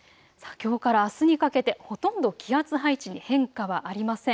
きょうからあすにかけてほとんど気圧配置に変化はありません。